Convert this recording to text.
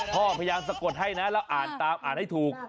พยายามสะกดให้นะแล้วอ่านตามอ่านให้ถูก